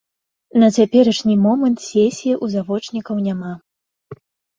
На цяперашні момант сесіі ў завочнікаў няма.